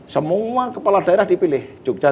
semua kepala daerah dipilih